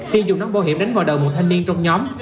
tiên dùng nón bảo hiểm đánh vào đầu một thanh niên trong nhóm